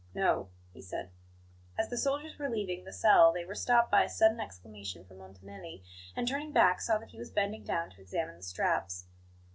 "No," he said. As the soldiers were leaving the cell they were stopped by a sudden exclamation from Montanelli; and, turning back, saw that he was bending down to examine the straps.